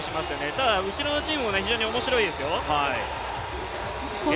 ただ後ろのチームも非常に面白いですよ。